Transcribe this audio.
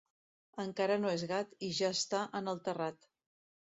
Encara no és gat i ja està en el terrat.